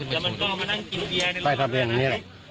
ช่วยครับใช่ครับเรียนแบบนี้แหละ